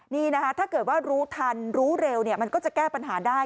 นี่นะคะถ้าเกิดว่ารู้ทันรู้เร็วมันก็จะแก้ปัญหาได้